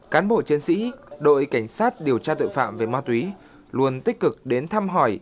cán bộ chiến sĩ đội cảnh sát điều tra tội phạm về ma túy luôn tích cực đến thăm hỏi